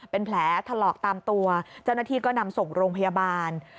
เป็นแผลถลอกตามตัวเจ้าหน้าที่ก็นำส่งโรงพยาบาล